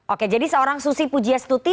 oke jadi seorang susi pugiestu tuhan